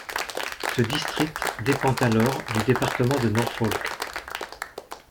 Ce district dépend alors du département de Norfolk.